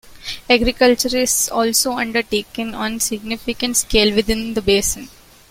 Agriculture is also undertaken on a significant scale within the basin.